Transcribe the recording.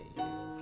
ya enak banget